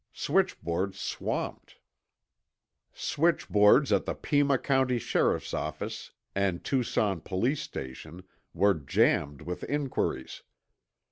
... Switchboards Swamped Switchboards at the Pima county sheriff's office and Tucson police station were jammed with inquiries.